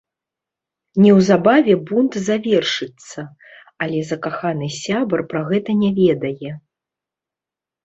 Неўзабаве бунт завершыцца, але закаханы сябар пра гэта не ведае.